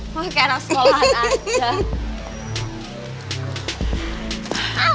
kayak anak sekolahan aja